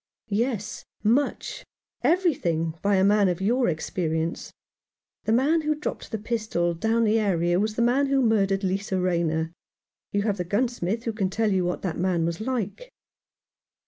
"Yes, much — everything — by a man of your experience. The man who dropped the pistol down the area was the man who murdered Lisa Rayner. You have the gunsmith who can tell you what that man was like."